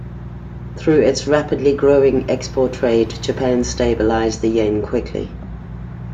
Through its rapidly growing export trade, Japan stabilized the yen quickly.